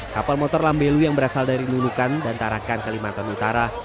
kapal motor lambelu yang berasal dari lunukan dan tarakan kalimantan utara